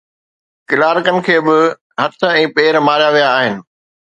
ڪلارڪن کي به هٿ ۽ پير ماريا ويا آهن.